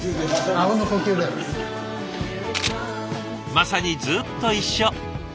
まさにずっと一緒。